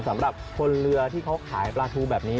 สำหรับคนเรือที่เขาขายปลาทูแบบนี้